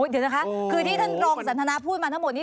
เดี๋ยวนะคะคือที่ท่านรองสันทนาพูดมาทั้งหมดนี้